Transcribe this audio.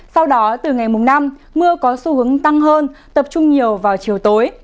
sau đó từ ngày mùng năm mưa có xu hướng tăng hơn tập trung nhiều vào chiều tối